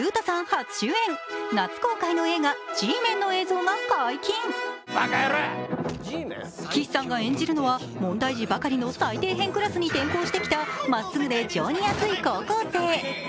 初主演、夏公開の映画「Ｇメン」の映像が解禁岸さんが演じるのは問題児ばかりの最底辺クラスに転校してきたまっすぐで情に厚い高校生。